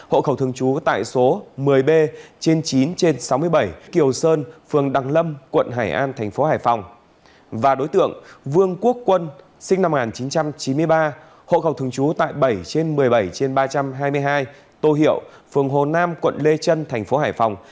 hộ cầu thường trú tại bảy trên một mươi bảy trên ba trăm hai mươi hai tô hiệu phường hồ nam quận lê trân thành phố hải phòng